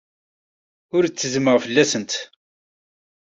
Ur ttezzmeɣ fell-asent.